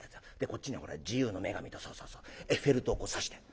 こっちには自由の女神とそうそうそうエッフェル塔を挿して」。